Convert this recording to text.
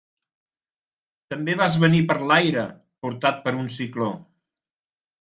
També vas venir per l'aire, portat per un cicló.